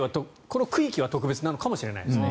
この区域は特別なのかもしれないですね。